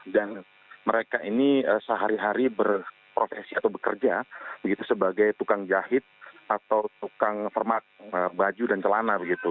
dan mereka ini sehari hari berprofesi atau bekerja sebagai tukang jahit atau tukang permak baju dan celana